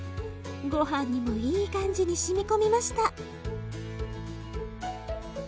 ごはんにもいい感じにしみ込みました。